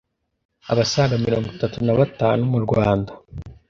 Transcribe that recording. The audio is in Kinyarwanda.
abasaga mirongo itatu nabatanu mu Rwanda